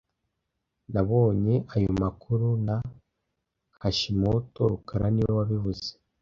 Nabonye ayo makuru na Hashimoto rukara niwe wabivuze